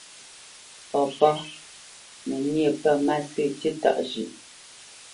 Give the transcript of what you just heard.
Papá: Mə níe pə̂ mâsə̂ tíí tâʼ zhʉ̌ʼ.